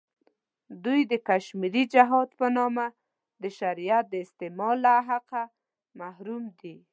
دوی د کشمیري جهاد په نامه د شریعت د استعمال له حقه محروم دی.